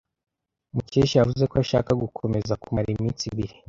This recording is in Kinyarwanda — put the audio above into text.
Mukesha yavuze ko ashaka gukomeza kumara iminsi ibiri.